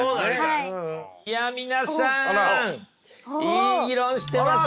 いや皆さんいい議論してますね。